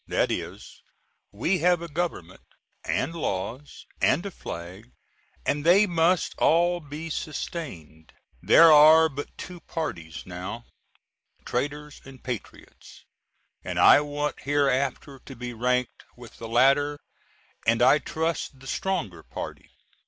That is, we have a Government, and laws and a flag, and they must all be sustained. There are but two parties now, traitors and patriots and I want hereafter to be ranked with the latter, and I trust, the stronger party.